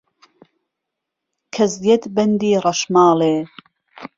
کهزیهت بهندی رهشماڵێ